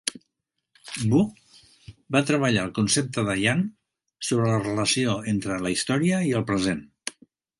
Wu va treballar el concepte de Yan sobre la relació entre la història i el present.